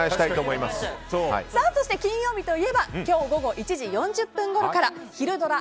そして、金曜日といえば今日午後１時４０分ごろからひるドラ！